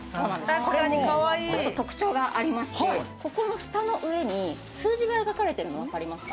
これもちょっと特徴がありまして、蓋の上に数字が書かれてるの分かりますか？